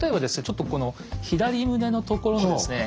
ちょっとこの左胸のところのですね